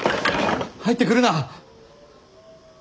入ってくるな！